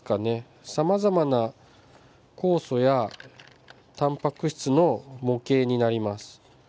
さまざまな酵素やタンパク質の模型になります。